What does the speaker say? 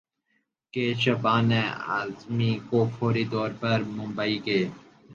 کہ شبانہ اعظمی کو فوری طور پر ممبئی کے